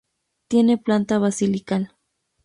Tiene planta basilical.